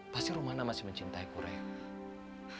pasti rumana masih mencintaiku rek